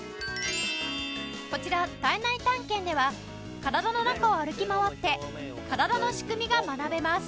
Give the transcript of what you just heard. こちら体内探検では体の中を歩き回って体の仕組みが学べます